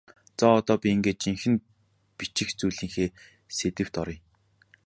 За одоо би ингээд жинхэнэ бичих зүйлийнхээ сэдэвт оръё.